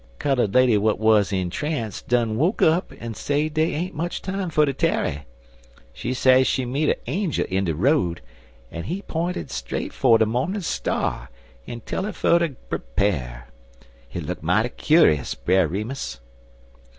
Cullud lady what wuz intranced done woke up an' say dey ain't much time fer ter tarry. She say she meet er angel in de road, an' he p'inted straight fer de mornin' star, an' tell her fer ter prepar'. Hit look mighty cu'us, Brer Remus."